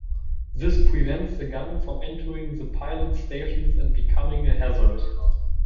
This prevents the gun from entering the pilots stations and becoming a hazard.